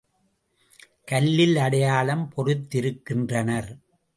கல்லில் அடையாளம் பொறித்திருக்கின்றனர்.